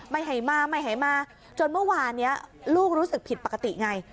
ไม่ให้มาไม่ให้มาจนเมื่อวานนี้ลูกรู้สึกผิดปกติไง